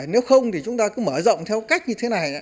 nếu không thì chúng ta cứ mở rộng theo cách như thế này